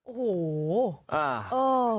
โอ้โห